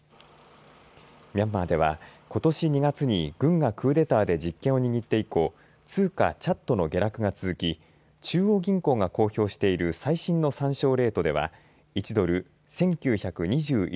ミャンマーでは、ことし２月に軍がクーデターで実権を握って以降通貨、チャットの下落が続き中央銀行が公表している最新の参照レートでは１ドル＝１９２１